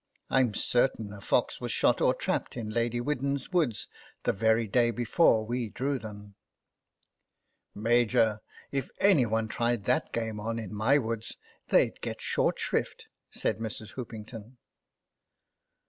Tm certain a fox was shot or trapped in Lady Widden's woods the very day before we drew them." " Major, if any one tried that game on in my woods they'd get short shrift," said Mrs. Hoopington.